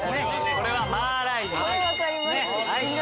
これはマーライオン。